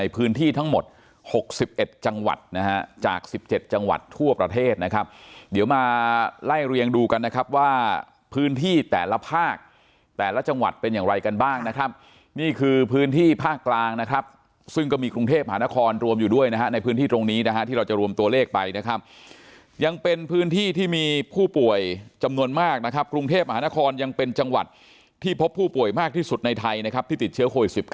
พื้นที่แต่ละภาคแต่ละจังหวัดเป็นอย่างไรกันบ้างนะครับนี่คือพื้นที่ภาคกลางนะครับซึ่งก็มีกรุงเทพหานครรวมอยู่ด้วยนะฮะในพื้นที่ตรงนี้นะฮะที่เราจะรวมตัวเลขไปนะครับยังเป็นพื้นที่ที่มีผู้ป่วยจำนวนมากนะครับกรุงเทพหานครยังเป็นจังหวัดที่พบผู้ป่วยมากที่สุดในไทยนะครับที่ติดเชื้อโค